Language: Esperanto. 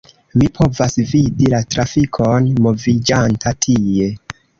Mi povas vidi la trafikon moviĝanta tie